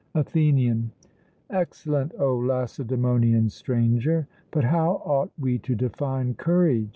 ATHENIAN: Excellent, O Lacedaemonian Stranger. But how ought we to define courage?